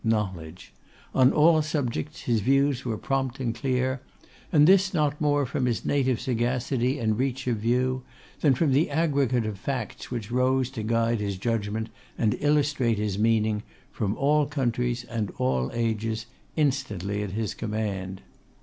Knowledge. On all subjects, his views were prompt and clear, and this not more from his native sagacity and reach of view, than from the aggregate of facts which rose to guide his judgment and illustrate his meaning, from all countries and all ages, instantly at his command.